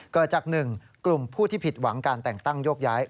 เกิดจาก๑กลุ่มผู้ที่ผิดหวังการแต่งตั้งโยกย้าย